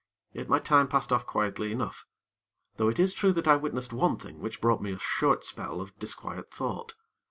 Yet my time passed off quietly enough; though it is true that I witnessed one thing which brought me a short spell of disquiet thought.